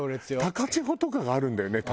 高千穂とかがあるんだよね？